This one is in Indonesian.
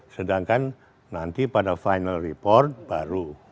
sedangkan nanti pada final report baru